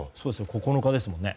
９日ですもんね。